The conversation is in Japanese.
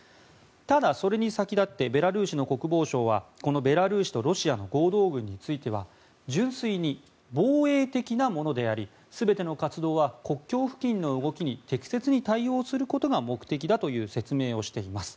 ただ、それに先立ってベラルーシの国防相はこのベラルーシとロシアの合同軍については純粋に防衛的なものであり全ての活動は国境付近の動きに適切に対応することが目的だという説明をしています。